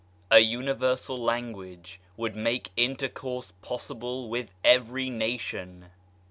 A Universal Language would make intercourse possible with every nation.